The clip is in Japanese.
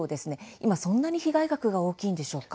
今、そんなに被害額が大きいんでしょうか？